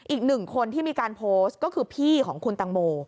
อีกหนึ่งคนที่มีการโพสต์ก็คือพี่ของคุณตังโม